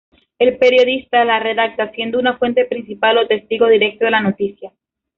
El periodista la redacta siendo una fuente principal o testigo directo de la noticia.